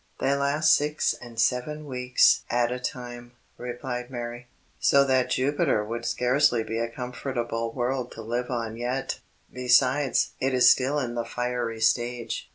"They last six and seven weeks at a time," replied Mary, "so that Jupiter would scarcely be a comfortable world to live on yet. Besides, it is still in the fiery stage."